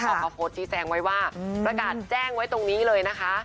ออกมาโพสต์ชี้แจงไว้ว่าประกาศแจ้งไว้ตรงนี้เลยนะคะ